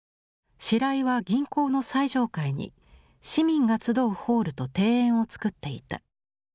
白井は銀行の最上階に市民が集うホールと庭園を造っていた。